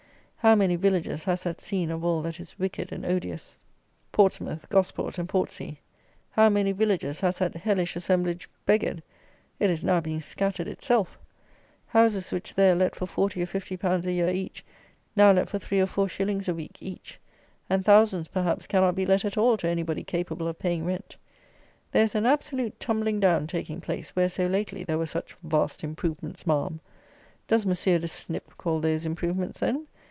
How many villages has that scene of all that is wicked and odious, Portsmouth, Gosport, and Portsea; how many villages has that hellish assemblage beggared! It is now being scattered itself! Houses which there let for forty or fifty pounds a year each, now let for three or four shillings a week each; and thousands, perhaps, cannot be let at all to any body capable of paying rent. There is an absolute tumbling down taking place, where, so lately, there were such "vast improvements, Ma'am!" Does Monsieur de Snip call those improvements, then?